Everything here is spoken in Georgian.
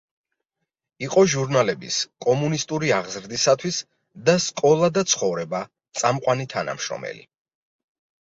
იყო ჟურნალების —„კომუნისტური აღზრდისათვის“ და „სკოლა და ცხოვრება“ წამყვანი თანამშრომელი.